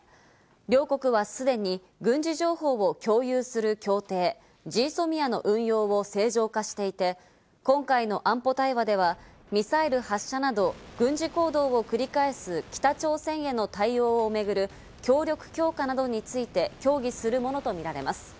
両国はすでに軍事情報を共有する協定＝ＧＳＯＭＩＡの運用を正常化していて、今回の安保対話では、ミサイル発射など軍事行動を繰り返す北朝鮮への対応をめぐる協力強化などについて協議するものとみられます。